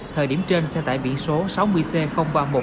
thời điểm trên xe tải biển số sáu mươi c ba nghìn một trăm một mươi bảy